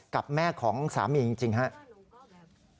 กับแม่ของสามีจริงครับ